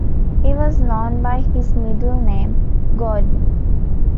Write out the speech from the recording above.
He was known by his middle name, Gordon.